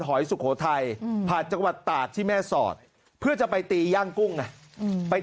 อยสุโขทัยผ่านจังหวัดตากที่แม่สอดเพื่อจะไปตีย่างกุ้งไงไป